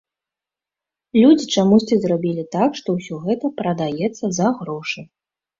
Людзі чамусьці зрабілі так, што ўсё гэта прадаецца за грошы.